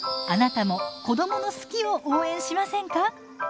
あなたも子どもの「好き」を応援しませんか？